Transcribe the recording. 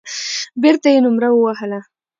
بېرته يې نومره ووهله.